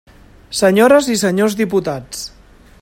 Senyores i senyors diputats.